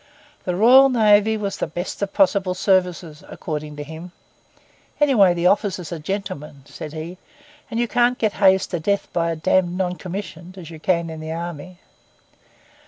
The Royal Navy was the best of possible services, according to him. 'Anyway the officers are gentlemen,' said he; 'and you can't get hazed to death by a damned non commissioned—as you can in the army.